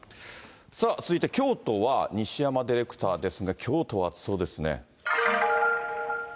続いて京都は、西山ディレクターですが、京都は暑そうですね。